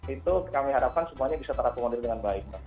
itu kami harapkan semuanya bisa terakomodir dengan baik